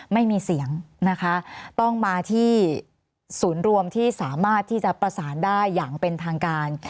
ไม่มีเสียงนะคะต้องมาที่ศูนย์รวมที่สามารถที่จะประสานได้อย่างเป็นทางการ